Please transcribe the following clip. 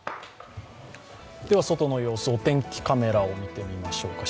外の様子、お天気カメラを見てみましょうか。